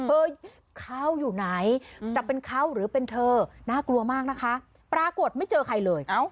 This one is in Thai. เออเขาอยู่ไหนจะเป็นเขาหรือเป็นเธอน่ากลัวมากนะคะปรากฏไม่เจอใครเลย